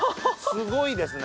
すごいですね。